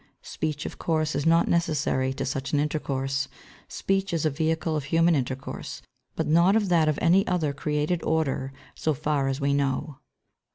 Speech, of course, is not necessary to such an intercourse. Speech is a vehicle of human intercourse, but not of that of any other created order so far as we know.